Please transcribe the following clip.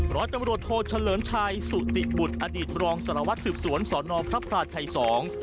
ร้อยตำรวจโทเฉลิมชัยสุติบุตรอดีตรองสารวัตรสืบสวนสอนอพระพลาชัยสอง